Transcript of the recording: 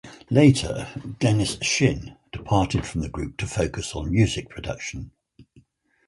Later, Dennis Shinn departed from the group to focus on music production.